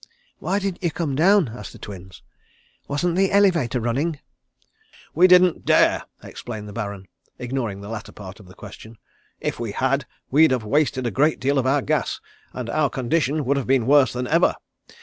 "Why didn't you come down?" asked the Twins, "wasn't the elevator running?" "We didn't dare," explained the Baron, ignoring the latter part of the question. "If we had we'd have wasted a great deal of our gas, and our condition would have been worse than ever.